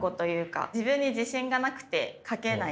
自分に自信がなくて書けない。